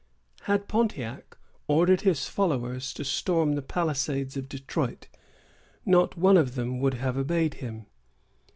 Had Pontiac ordered his followers to storm the palisades of Detroit, not one of them would have obeyed him.